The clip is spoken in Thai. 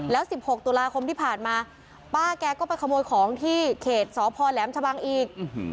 แล้ว๑๖ตุลาคมที่ผ่านมาป้าแกก็ไปขโมยของที่เขตสพแหลมชะบังอีก